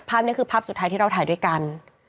ภาพนี้คือภาพสุดท้ายที่เราถ่ายด้วยกัน